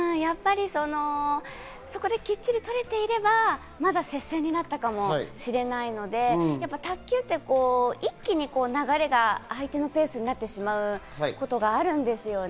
あそこできっちり取れていれば接戦になったかもしれないので、卓球って一気に流れが相手のペースになってしまうことがあるんですよね。